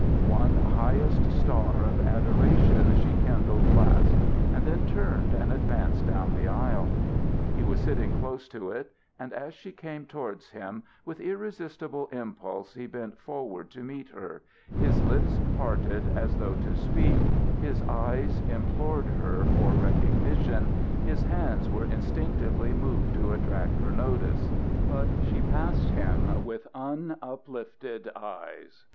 One highest star of adoration she kindled last, and then turned and advanced down the aisle. He was sitting close to it, and as she came towards him, with irresistible impulse he bent forward to meet her, his lips parted as though to speak, his eyes implored her for recognition, his hands were instinctively moved to attract her notice. But she passed him with unuplifted eyes.